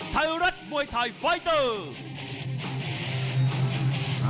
ไทยรัฐมวยไทยไฟเตอร์